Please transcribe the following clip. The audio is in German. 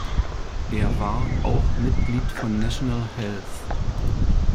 Er war auch Mitglied von National Health.